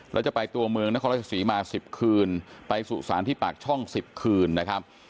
แล้วจะไปตัวเมืองนครราชศรีมา๑๐คืนไปสู่สารที่ปากช่อง๑๐คืนนะครับ